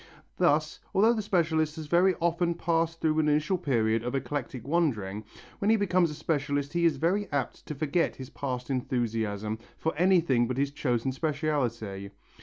Thus although the specialist has very often passed through an initial period of eclectic wandering, when he becomes a specialist he is very apt to forget his past enthusiasm for anything but his chosen speciality.